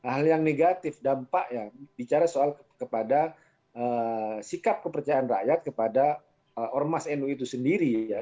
hal yang negatif dampak ya bicara soal kepada sikap kepercayaan rakyat kepada ormas nu itu sendiri ya